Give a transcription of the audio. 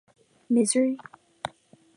Misery.